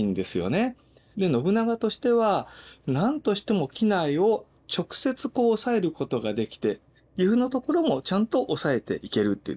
信長としては何としても畿内を直接おさえることができて岐阜のところもちゃんとおさえていけるっていうですね